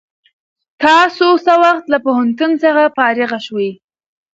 تاسو څه وخت له پوهنتون څخه فارغ شوئ؟